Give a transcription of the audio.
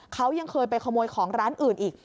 เขายังเคยไปขโมยของร้านอื่นอีก